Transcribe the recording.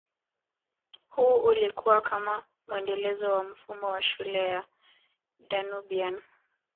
Huu ulikua kama muendelezo wa mfumo wa shule ya Danubian